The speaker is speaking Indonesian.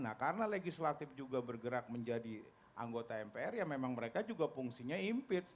nah karena legislatif juga bergerak menjadi anggota mpr ya memang mereka juga fungsinya impeach